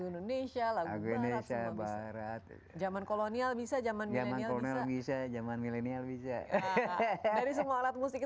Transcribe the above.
indonesia barat zaman kolonial bisa zaman yang bisa zaman milenial bisa dari semua alat musik